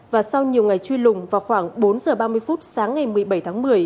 và sau nhiều ngày truy lùng vào khoảng bốn giờ ba mươi phút sáng ngày một mươi bảy tháng một mươi